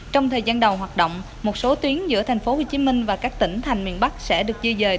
trong thời gian đầu hoạt động một số tuyến giữa tp hcm và các tỉnh thành miền bắc sẽ được di dời